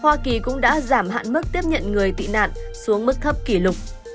hoa kỳ cũng đã giảm hạn mức tiếp nhận người tị nạn xuống mức thấp kỷ lục